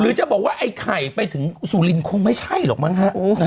จะบอกว่าไอ้ไข่ไปถึงสุรินคงไม่ใช่หรอกมั้งฮะ